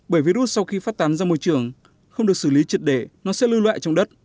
bởi virus sau khi phát tán ra môi trường không được xử lý triệt để nó sẽ lưu loại trong đất